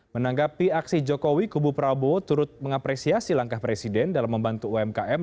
menanggapi aksi jokowi kubu prabowo turut mengapresiasi langkah presiden dalam membantu umkm